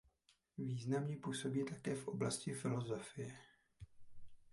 Významně působí také v oblasti filosofie.